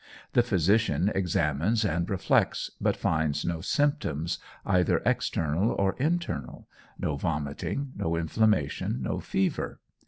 The physician examines and reflects, but finds no symptoms either external or internal, no vomiting, no inflammation, no fever.